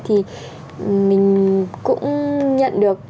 thì mình cũng nhận được